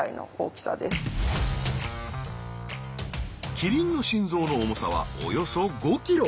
キリンの心臓の重さはおよそ５ｋｇ。